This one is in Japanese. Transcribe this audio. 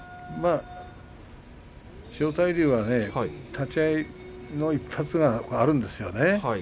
千代大龍は立ち合いの１発があるんですよね。